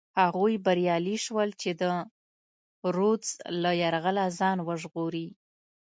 هغوی بریالي شول چې د رودز له یرغله ځان وژغوري.